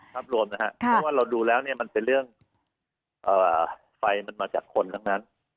เพราะว่าเราดูแล้วมันเป็นเรื่องไฟมันมาจากคนทั้งนั้น